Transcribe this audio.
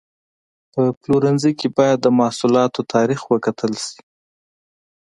په پلورنځي کې باید د محصولاتو تاریخ وکتل شي.